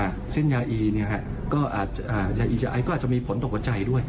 เช่นยาอีนี่ยาอัยก็อาจจะมีผลต่อหัวใจด้วย